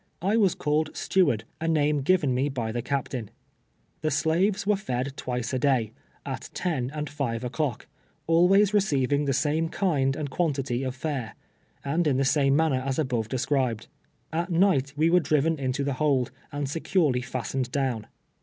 I was called steward — a name given me by the cap tain. The slaves were fed twice a day, at ten and five o'clock — always receiving the same kind and quantity of fare, and in the same manner as above described. At night we were driven into the hold, and securely fastened down.